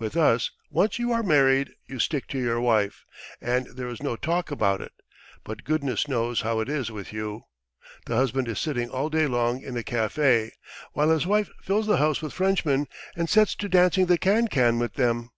With us, once you are married, you stick to your wife, and there is no talk about it, but goodness knows how it is with you. The husband is sitting all day long in a café, while his wife fills the house with Frenchmen, and sets to dancing the can can with them."